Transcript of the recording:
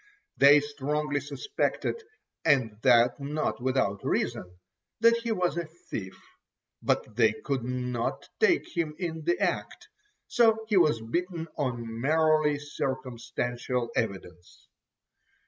They strongly suspected, and that not without reason, that he was a thief, but they could not take him in the act, so he was beaten on merely circumstantial evidence.